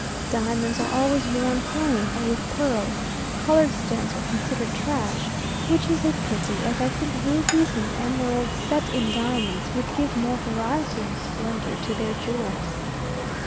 Diamonds are always worn plain or with pearls; coloured stones are considered trash, which is a pity, as I think rubies and emeralds set in diamonds would give more variety and splendour to their jewels.